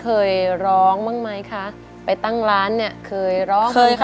เคยร้องบ้างไหมคะไปตั้งร้านเนี่ยเคยร้องไหมคะ